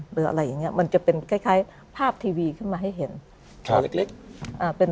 หรืออะไรอย่างเงี้ยมันจะเป็นคล้ายภาพทีวีขึ้นมาให้เห็น